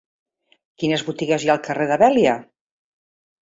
Quines botigues hi ha al carrer de Vèlia?